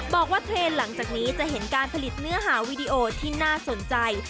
เทรนด์หลังจากนี้จะเห็นการผลิตเนื้อหาวีดีโอที่น่าสนใจ